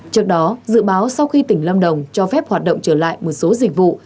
trước đó dự báo sau khi tỉnh lâm đồng cho phép hoạt động trở lại một số dịch vụ